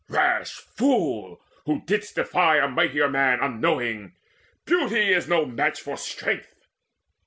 Rash fool, who didst defy a mightier man Unknowing! Beauty is no match for strength!"